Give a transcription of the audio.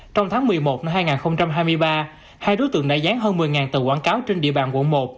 trong tháng một mươi một năm hai nghìn hai mươi ba hai đối tượng đã dán hơn một mươi tờ quảng cáo trên địa bàn quận một